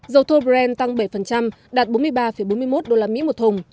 dầu thô brand tăng bảy đạt bốn mươi ba bốn mươi một usd một thùng